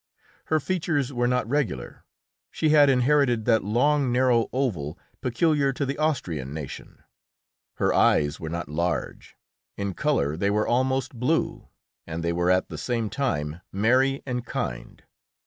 Her features were not regular; she had inherited that long and narrow oval peculiar to the Austrian nation. Her eyes were not large; in colour they were almost blue, and they were at the same time merry and kind.